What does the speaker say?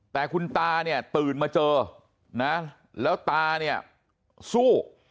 แต่คุณตาเนี่ยตื่นมาเจอนะแล้วตาเนี่ยสู้